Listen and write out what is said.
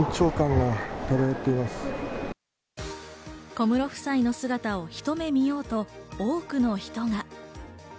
小室夫妻の姿をひと目見ようと多くの人が。